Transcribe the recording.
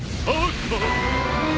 あっ。